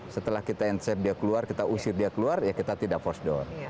setelah kita incept dia keluar kita usir dia keluar ya kita tidak force down